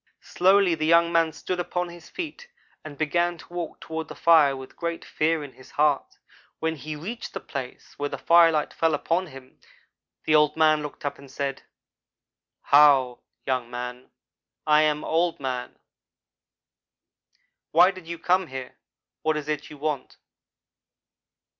"Slowly the young man stood upon his feet and began to walk toward the fire with great fear in his heart. When he had reached the place where the firelight fell upon him, the Old man looked up and said: "'How, young man, I am Old man. Why did you come here? What is it you want?'